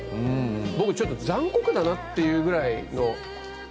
僕、ちょっと残酷だなっていうぐらいの。